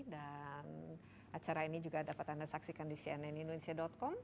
dan acara ini juga dapat anda saksikan di cnnindonesia com